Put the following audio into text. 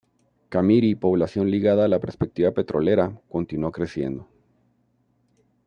Camiri población ligada a la perspectiva petrolera, continuó creciendo.